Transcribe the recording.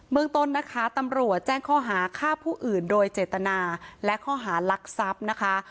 เมืองต้นนะคะตำรวจแจ้งข้อหาฆ่าผู้อื่นโดยเจตนาและข้อหารักทรัพย์นะคะ